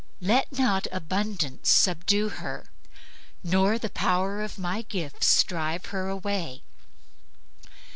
Let not abundance subdue her, nor the power of my gifts drive her away.